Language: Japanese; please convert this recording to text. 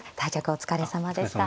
お疲れさまです。